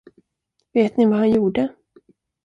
Vet ni vad han gjorde?